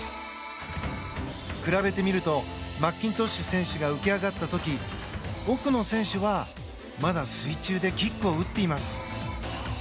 比べてみるとマッキントッシュ選手が浮きがった時、奥の選手はまだ水中でキックを打っています。